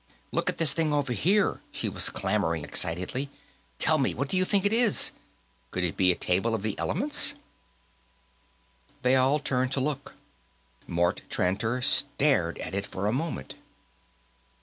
"Look at this thing, over here," she was clamoring excitedly. "Tell me what you think it is. Could it be a table of the elements?" They all turned to look. Mort Tranter stared at it for a moment.